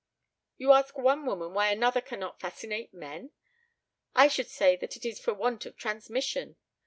"You ask one woman why another cannot fascinate men! I should say that it is for want of transmission.